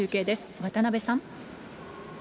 渡邊さん。